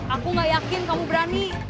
aku gak yakin kamu berani